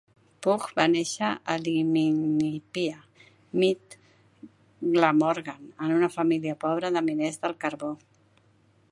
Pugh va néixer a Llwynypia, Mid Glamorgan, en una família pobra de miners del carbó.